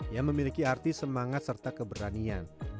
yang memiliki arti semangat serta keberanian